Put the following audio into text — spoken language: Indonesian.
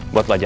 buat lo aja